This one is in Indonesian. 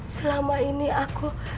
selama ini aku